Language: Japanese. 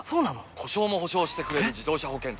故障も補償してくれる自動車保険といえば？